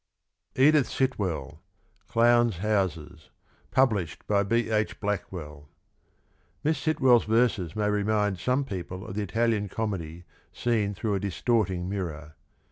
Edith Sitwell. CLOWN'S HOUSES. Published by B. H. Blackwell. Miss Sitwell's verses may remind some people of the Italian Comedy seen through a distorting mirror.